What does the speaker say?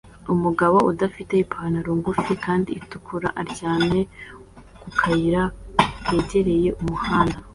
Umugabo udafite ipantaro ngufi kandi itukura aryamye ku kayira kegereye umuhanda